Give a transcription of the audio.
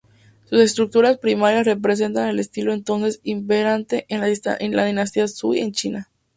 Sus estructuras primarias representan el estilo entonces imperante en la dinastía Sui en China.